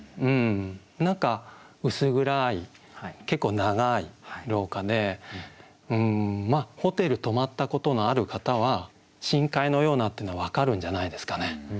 何か薄暗い結構長い廊下でホテル泊まったことのある方は深海のようなってのは分かるんじゃないですかね。